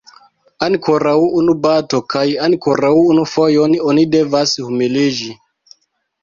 Ankoraŭ unu bato kaj ankoraŭ unu fojon oni devas humiliĝi.